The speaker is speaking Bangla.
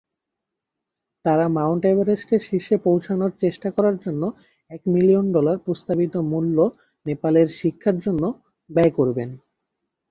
তারা মাউন্ট এভারেস্টের শীর্ষে পৌঁছানোর চেষ্টা করার জন্য এক মিলিয়ন ডলার প্রস্তাবিত মূল্য নেপালের শিক্ষার জন্য ব্যয় করবেন।